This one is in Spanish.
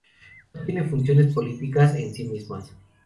No tienen funciones políticas en sí mismas.